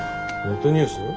ネットニュース？